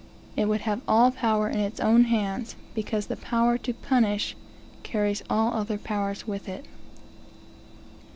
It would have all power in its own hands; because the power to punish carries all other powers with it.